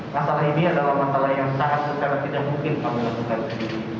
masalah ini adalah masalah yang sangat secara tidak mungkin kami lakukan